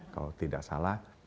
kalau tidak salah